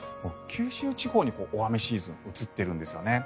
九州地方に大雨シーズンが移っているんですよね。